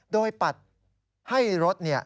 โดยปัดให้รถ